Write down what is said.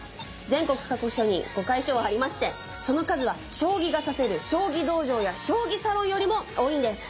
全国各所に碁会所はありましてその数は将棋が指せる将棋道場や将棋サロンよりも多いんです。